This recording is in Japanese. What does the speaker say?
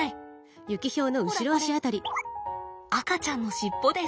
ほらこれ赤ちゃんの尻尾です。